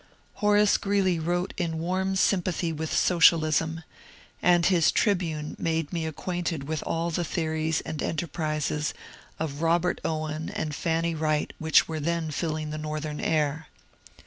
Horace Ghreeley wrote in warm sympathy with socialism, and his '' Tribune " made me acquainted with all the theories and enterprises of Robert Owen and Fanny Wright which were then filling the Northern air.